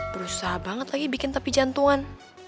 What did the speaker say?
berusaha banget lagi bikin tepi jantungan